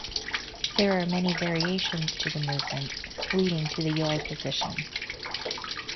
There are many variations to the movements leading to the "yoi" position.